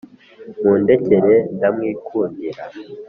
Mundekere ndamwikundira